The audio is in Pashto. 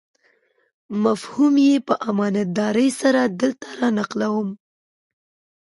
مفهوم یې په امانتدارۍ سره دلته رانقلوم.